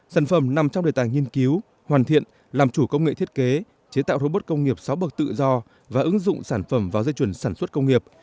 sản phẩm nằm trong đề tài nghiên cứu hoàn thiện làm chủ công nghệ thiết kế chế tạo robot công nghiệp sáu bậc tự do và ứng dụng sản phẩm vào dây chuyển sản xuất công nghiệp